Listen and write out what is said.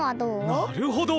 なるほど。